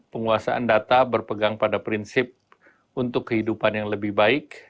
penguasaan data berpegang pada prinsip untuk kehidupan yang lebih baik